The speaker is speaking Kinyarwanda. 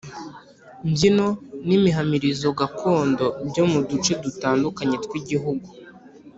mbyino n’imihamirizo gakondo byo mu duce dutandukanye tw’igihugu